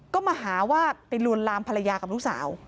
ก็มาหาว่าไปลวนลามภรรยากับลูกสาว